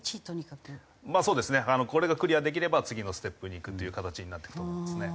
これがクリアできれば次のステップにいくという形になっていくと思いますね。